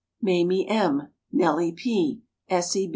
Mamie M., Nellie P.